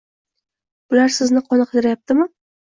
Bular sizni qoniqtiryaptimi?